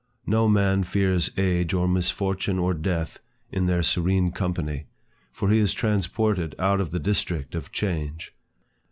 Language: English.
No man fears age or misfortune or death, in their serene company, for he is transported out of the district of change.